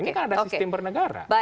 ini kan ada sistem bernegara